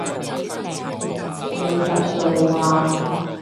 四十歲啩